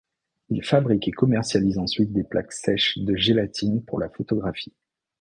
Il fabrique et commercialise ensuite des plaques sèches de gélatine pour la photographie.